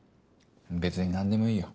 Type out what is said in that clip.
別になんでもいいよ。